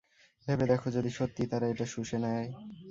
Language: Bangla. ভেবে দেখো, যদি সত্যিই তারা এটা শুষে নেয়।